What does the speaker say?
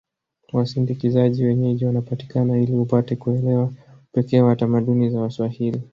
Wasindikizaji wenyeji wanapatikana ili upate kuelewa upekee wa tamaduni za waswahili